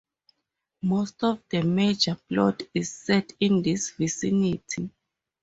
Most of the major plot is set in this vicinity.